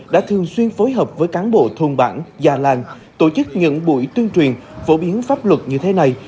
đã thường xuyên phối hợp với cán bộ thôn bản gia làng tổ chức những buổi tuyên truyền phổ biến pháp luật như thế này